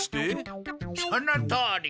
そのとおり。